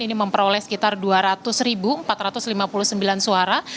ini memperoleh sekitar dua ratus empat ratus lima puluh sembilan suara